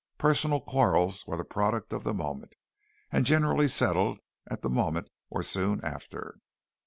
Personal quarrels were the product of the moment, and generally settled at the moment or soon after.